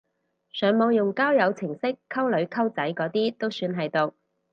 上網用交友程式溝女溝仔嗰啲都算係毒！